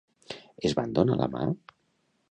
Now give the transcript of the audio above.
Es van donar la mà?